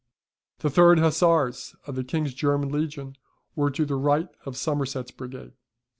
The third Hussars of the King's German Legion were to the right of Somerset's brigade.